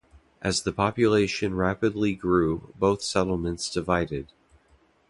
As the population rapidly grew both settlements divided.